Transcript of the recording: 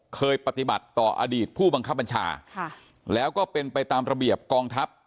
เคยปฏิบัติต่ออดีตผู้บังคับบัญชาแล้วก็เป็นไปตามระเบียบกองทัพ